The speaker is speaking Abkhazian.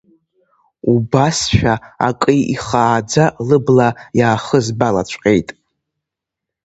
Убасшәа акы ихааӡа лыбла иаахызбалаҵәҟьеит!